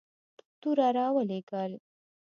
توره را ولېږل.